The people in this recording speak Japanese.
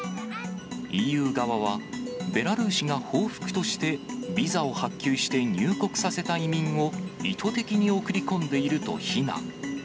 ＥＵ側は、ベラルーシが報復としてビザを発給して入国させた移民を意図的に送り込んでいると非難。